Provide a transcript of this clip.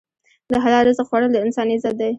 د حلال رزق خوړل د انسان عزت دی.